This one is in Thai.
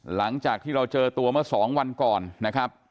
หลังจากที่เราเจอตัวเมื่อ๒วันก่อนนะครับ